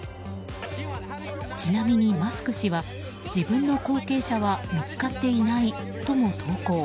ちなみにマスク氏は自分の後継者は見つかっていないとも投稿。